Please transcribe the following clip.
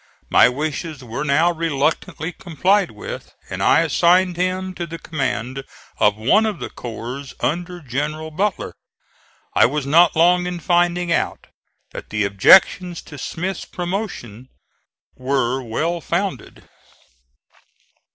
My wishes were now reluctantly complied with, and I assigned him to the command of one of the corps under General Butler. I was not long in finding out that the objections to Smith's promotion were well founded.